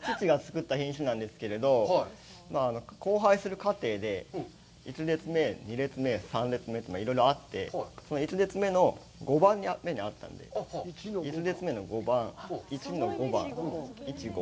父が作った品種なんですけれど、交配する過程で１列目、２列目、３列目といろいろあって１列目の５番目にあったんで、１列目の５番、いちご。